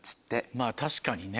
まぁ確かにね。